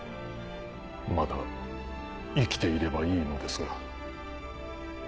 まだ生きていればいいのですが。